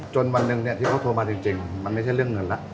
วันหนึ่งที่เขาโทรมาจริงมันไม่ใช่เรื่องเงินแล้ว